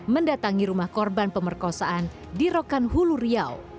mendatangi rumah korban pemerkosaan di rokan hulu riau